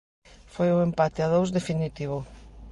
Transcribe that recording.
Foi o empate a dous definitivo.